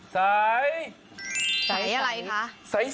สายอะไรคะ